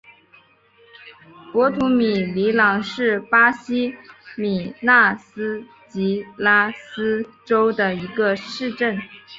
博图米里姆是巴西米纳斯吉拉斯州的一个市镇。